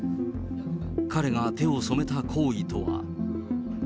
彼が手を染めた行為とは。